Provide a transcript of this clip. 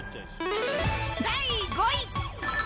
第５位。